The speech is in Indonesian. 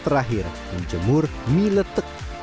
terakhir menjemur mie letek